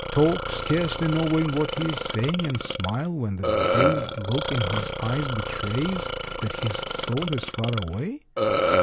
— talk, scarcely knowing what he is saying, and smile when the dazed look in his eyes betrays that his thought is far away?